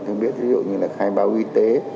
tôi biết ví dụ như là khai báo y tế